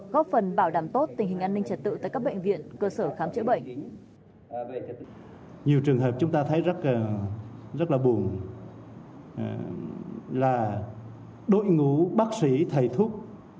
trường hợp chúng ta thấy rất là buồn là đội ngũ bác sĩ thầy thuốc